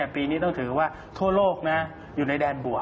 ปีนี้ต้องถือว่าทั่วโลกอยู่ในแดนบวก